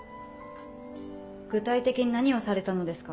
具体的に何をされたのですか？